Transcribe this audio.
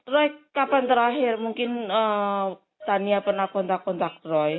laya kapan terakhir mungkin tania pernah kontak kontak laya